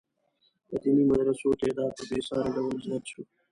د دیني مدرسو تعداد په بې ساري ډول زیات شو.